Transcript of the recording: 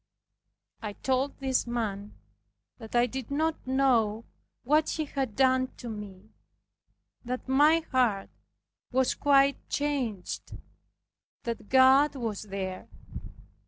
I told this man, that I did not know what he had done to me, that my heart was quite changed, that God was there.